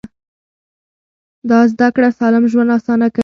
دا زده کړه سالم ژوند اسانه کوي.